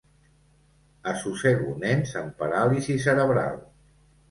Assossego nens amb paràlisi cerebral.